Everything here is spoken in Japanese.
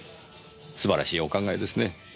素晴らしいお考えですね。